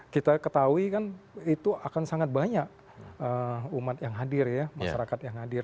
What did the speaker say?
kita ketahui kan itu akan sangat banyak umat yang hadir ya masyarakat yang hadir